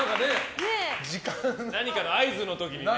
何かの合図の時にね。